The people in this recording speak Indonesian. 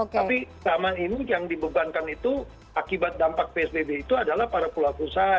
tapi selama ini yang dibebankan itu akibat dampak psbb itu adalah para pelaku usaha